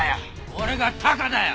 俺がタカだよ！